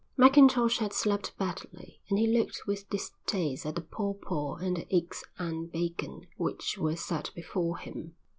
Mackintosh had slept badly and he looked with distaste at the paw paw and the eggs and bacon which were set before him.